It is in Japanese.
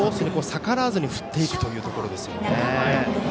逆らわずに振っていくというところですよね。